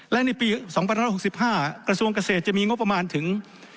และในปี๒๑๖๕กระทรวงเกษตรจะมีงบประมาณถึง